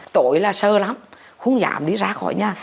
tội là sờ lắm không dám đi ra khỏi nhà